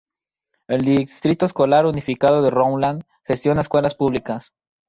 El Distrito Escolar Unificado de Rowland gestiona escuelas públicas.